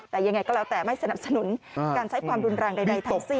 แต่ยังไงก็แล้วแต่ไม่สนับสนุนการใช้ความรุนแรงใดทั้งสิ้น